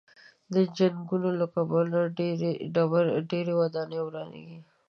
د جنګونو له کبله ډېرې ودانۍ ورانېږي.